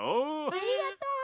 ありがとう！